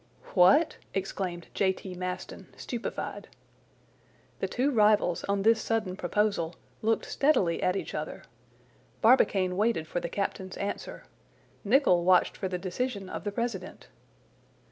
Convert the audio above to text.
"What?" exclaimed J. T. Maston, stupefied. The two rivals, on this sudden proposal, looked steadily at each other. Barbicane waited for the captain's answer. Nicholl watched for the decision of the president.